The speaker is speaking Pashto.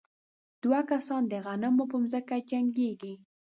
دوه کسان د غنمو په ځمکه جنګېږي.